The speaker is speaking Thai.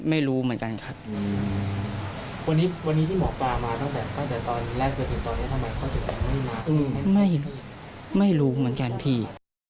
ไม่รู้เหมือนกันพี่